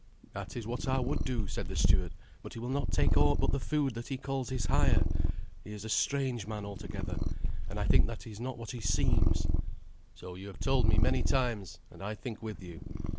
"That is what I would do," said the steward, "but he will not take aught but the food that he calls his hire. He is a strange man altogether, and I think that he is not what he seems." "So you have told me many times, and I think with you.